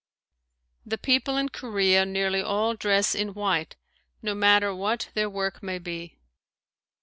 The people in Korea nearly all dress in white no matter what their work may be.